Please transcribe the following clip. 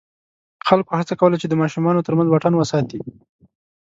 خلکو هڅه کوله چې د ماشومانو تر منځ واټن وساتي.